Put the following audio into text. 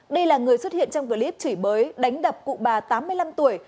đây là người xuất hiện trong clip chỉ bới đánh đập cụ bà tám mươi năm tuổi